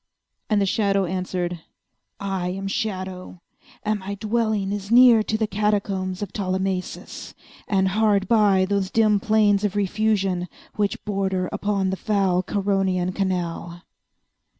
And the shadow answered, "I am SHADOW, and my dwelling is near to the Catacombs of Ptolemais, and hard by those dim plains of Helusion which border upon the foul Charonian canal."